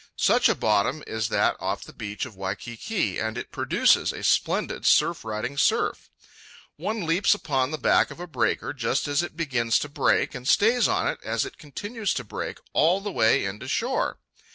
Such a bottom is that off the beach of Waikiki, and it produces a splendid surf riding surf. One leaps upon the back of a breaker just as it begins to break, and stays on it as it continues to break all the way in to shore.